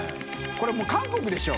これもう韓国でしょ。